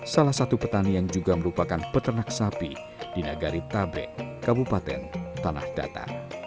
salah satu petani yang juga merupakan peternak sapi di nagari tabe kabupaten tanahdata